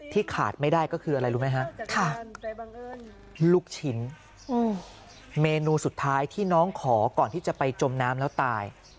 ขาดไม่ได้ก็คืออะไรรู้ไหมฮะลูกชิ้นเมนูสุดท้ายที่น้องขอก่อนที่จะไปจมน้ำแล้วตาย